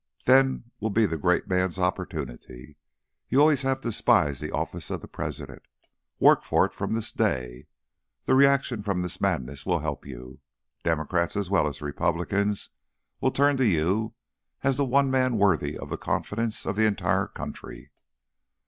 Then will be the great man's opportunity. You always have despised the office of President. Work for it from this day. The reaction from this madness will help you. Democrats as well as Republicans will turn to you as the one man worthy of the confidence of the entire country."